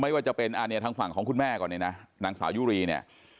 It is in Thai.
ว่าจะเป็นอันนี้ทางฝั่งของคุณแม่ก่อนเนี่ยนะนางสาวยุรีเนี่ย